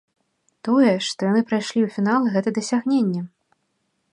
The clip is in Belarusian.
Тое, што яны прайшлі ў фінал гэта дасягненне.